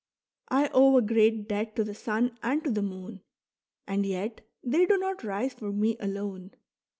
I owe a great debt to the sun and to the moon ; and yet they do not rise for me alone.